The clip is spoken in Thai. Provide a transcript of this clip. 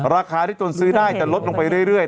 ราคาที่ตนซื้อได้จะลดลงไปเรื่อย